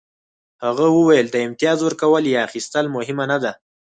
هغه وویل د امتیاز ورکول یا اخیستل مهمه نه ده